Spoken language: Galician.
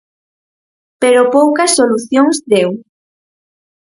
Pero poucas solucións deu.